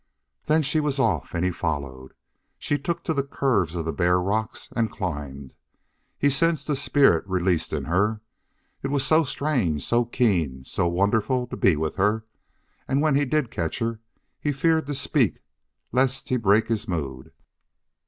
Then she was off, and he followed. She took to the curves of the bare rocks and climbed. He sensed a spirit released in her. It was so strange, so keen, so wonderful to be with her, and when he did catch her he feared to speak lest he break this mood.